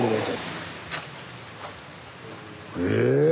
へえ！